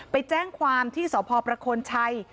ไปแจ้งความที่สอบพอล์ประคลชัย